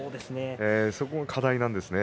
そこが課題なんですね。